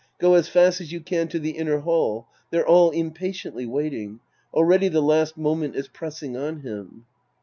Go as fast as you can to the inner hall. They're all impatiently waiting. Already the last moment is pressing on laim.